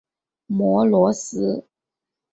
摩罗斯。